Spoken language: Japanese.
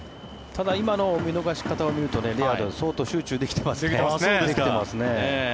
ただ今の見逃し方を見るとレアードは相当集中できてますね。